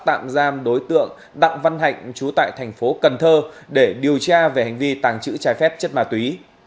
tạm giam đối tượng đặng văn hạnh trú tại thành phố cần thơ để điều tra về hành vi tàng trữ trái phép chất ma túy